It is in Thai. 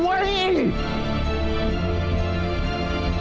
อย่าบอกหลายที